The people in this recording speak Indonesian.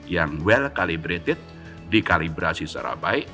yang well calibrated dikalibrasi secara baik